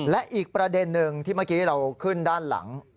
และอีกประเด็นหนึ่งที่เมื่อกี้เราขึ้นด้านหลัง